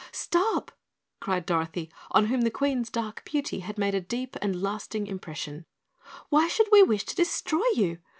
"Stop!" cried Dorothy, on whom the Queen's dark beauty had made a deep and lasting impression. "Why should we wish to destroy you?